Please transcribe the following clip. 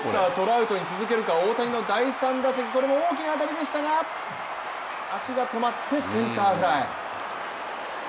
トラウトに続けるか大谷の第３打席、これも大きな当たりでしたが、足が止まってセンターフライ。